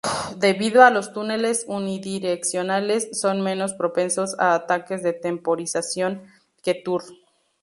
Debido a los túneles unidireccionales, son menos propensos a ataques de temporización que Tor.